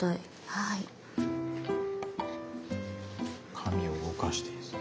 紙を動かしてですね。